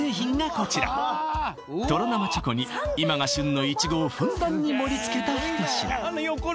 こちらとろなまチョコに今が旬のイチゴをふんだんに盛りつけた一品